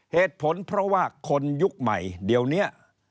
เหตุผลเพราะว่าคนยุคใหม่เดี๋ยวนี้